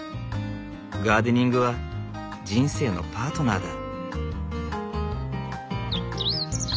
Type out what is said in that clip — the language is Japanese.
ガーデニングは人生のパートナーだ。